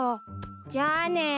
じゃあね。